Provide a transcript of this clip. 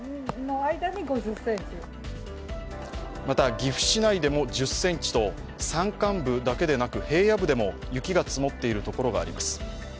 また、岐阜市内でも１０ｃｍと山間部だけでなく、平野部でも雪が積もっている所があります。